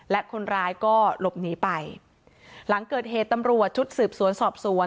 และคนร้ายก็หลบหนีไปหลังเกิดเหตุตำรวจชุดสืบสวนสอบสวน